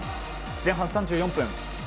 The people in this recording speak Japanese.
前半３４分。